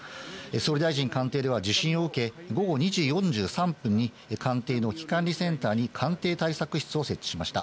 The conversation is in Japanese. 総理大臣官邸では、地震を受け、午後２時４３分に、官邸の危機管理センターに官邸対策室を設置しました。